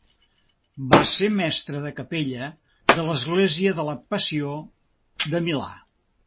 Va ser mestre de capella de l'església de la Passió de Milà.